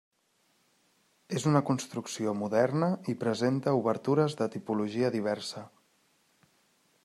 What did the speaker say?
És una construcció moderna i presenta obertures de tipologia diversa.